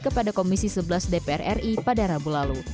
kepada komisi sebelas dpr ri pada rabu lalu